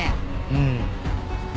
うん。